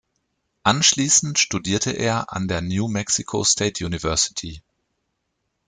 Anschließend studierte er an der New Mexico State University.